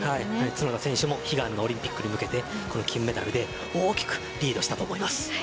角田選手も悲願のオリンピックに向けて金メダルで大きくリードしたと思います。